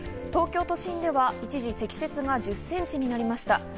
東京都心では一時、積雪が１０ｃｍになりました。